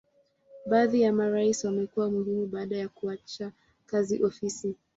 Baadhi ya marais wamekuwa muhimu baada ya kuacha kazi ofisi.